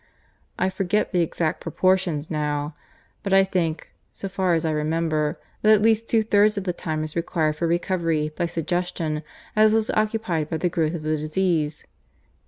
I forget the exact proportions now, but I think, so far as I remember, that at least two thirds of the time is required for recovery by suggestion as was occupied by the growth of the disease.